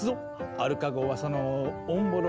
アルカ号はそのオンボロ。